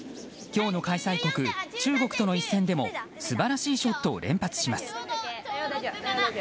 今日の開催国、中国との一戦でも素晴らしいショットを連発します。